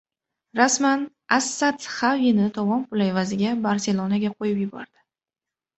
Rasman: “As-Sadd” Xavini tovon puli evaziga “Barselona”ga qo‘yib yubordi